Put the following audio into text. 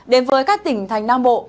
đến với các tỉnh thành nam bộ